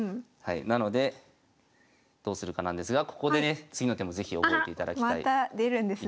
なのでどうするかなんですがここでね次の手も是非覚えていただきたい一手があります。